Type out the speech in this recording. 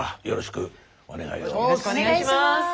よろしくお願いします。